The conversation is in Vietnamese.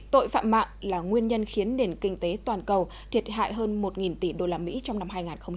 tội phạm mạng là nguyên nhân khiến nền kinh tế toàn cầu thiệt hại hơn một tỷ đô la mỹ trong năm hai nghìn hai mươi